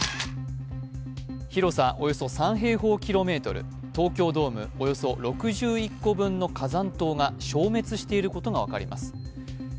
およそ３平方キロメートル、東京ドームおよそ６１個分の火山島が消滅していることが分かります。